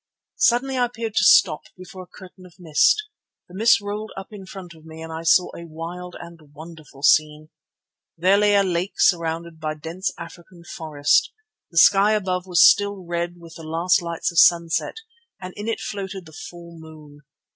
Suddenly I appeared to stop before a curtain of mist. The mist rolled up in front of me and I saw a wild and wonderful scene. There lay a lake surrounded by dense African forest. The sky above was still red with the last lights of sunset and in it floated the full moon.